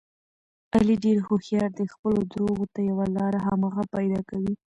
علي ډېر هوښیار دی خپلو درغو ته یوه لاره خامخا پیدا کوي.